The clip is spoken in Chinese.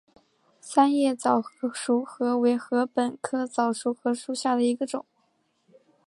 三叶早熟禾为禾本科早熟禾属下的一个种。